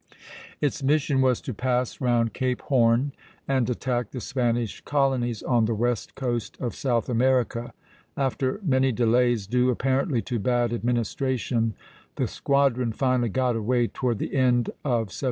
Its mission was to pass round Cape Horn and attack the Spanish colonies on the west coast of South America. After many delays, due apparently to bad administration, the squadron finally got away toward the end of 1740.